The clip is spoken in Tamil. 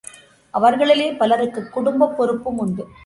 அவர்களிலே பலருக்குக் குடும்பப் பொறுப்பும் உண்டு.